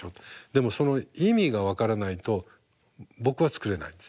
でもその意味が分からないと僕は作れないんです。